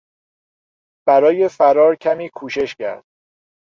برای فرار کمی کوشش کرد.